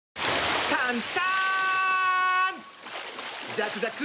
ザクザク！